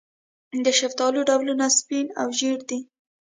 د شفتالو ډولونه سپین او ژیړ دي.